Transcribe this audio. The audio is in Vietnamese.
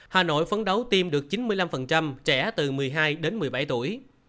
hà nội phấn đấu tiêm được chín mươi năm trẻ từ một mươi hai đến một mươi bảy tuổi